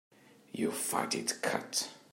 You fight it cut.